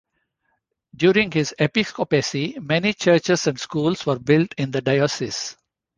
During his episcopacy many churches and schools were built in the diocese.